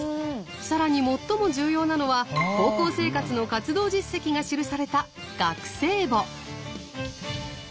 更に最も重要なのは高校生活の活動実績が記された学生簿。